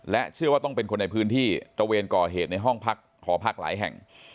เชื่อว่าต้องเป็นคนในพื้นที่ตระเวนก่อเหตุในห้องพักหอพักหลายแห่ง